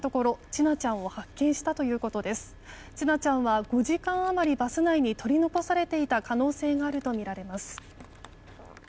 千奈ちゃんは５時間余りバス内に取り残されていた可能性があるとみられます。